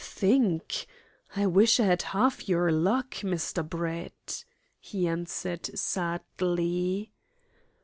"Think! I wish I had half your luck, Mr. Brett," he answered sadly.